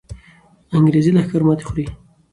انګریزي لښکر ماتې خوري.